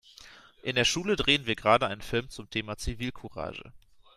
In der Schule drehen wir gerade einen Film zum Thema Zivilcourage.